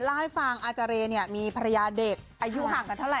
แล้วให้ฟังอาเจเรเนี่ยมีภรรยาเด็กอายุห่างกันเท่าไหร่